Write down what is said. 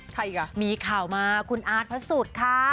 ใครอีกคะมีข่าวมาคุณอาร์ดพระสุดค่ะ